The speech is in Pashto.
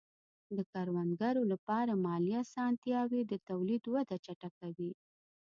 د کروندګرو لپاره مالي آسانتیاوې د تولید وده چټکوي.